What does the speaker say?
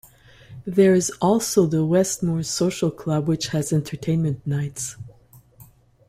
There is also the West Moors Social Club which has entertainment nights.